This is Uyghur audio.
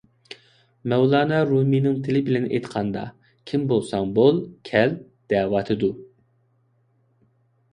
مەۋلانا رۇمىينىڭ تىلى بىلەن ئېيتقاندا، كىم بولساڭ بول، كەل، دەۋاتىدۇ.